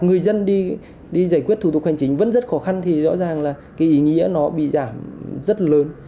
người dân đi giải quyết thủ tục hành chính vẫn rất khó khăn thì rõ ràng là cái ý nghĩa nó bị giảm rất là lớn